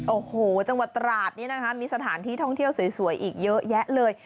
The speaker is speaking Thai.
โอ้โหจังหวัดตราดนี้นะคะมีสถานที่ท่องเที่ยวสวยอีกเยอะแยะเลย